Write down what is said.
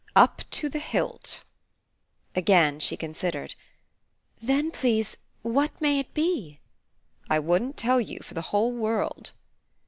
"Up to the hilt!" Again she considered. "Then, please, what may it be?" "I wouldn't tell you for the whole world."